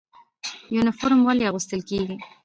یونفورم ولې اغوستل کیږي؟